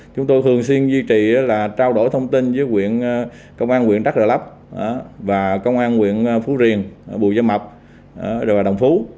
chúng tôi thường xuyên duy trì là trao đổi thông tin với công an huyện trắc rờ lắp và công an huyện phú riền bùi dây mập đồng phú